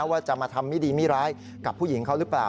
ว่าจะมาทำไม่ดีไม่ร้ายกับผู้หญิงเขาหรือเปล่า